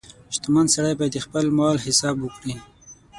• شتمن سړی باید د خپل مال حساب وکړي.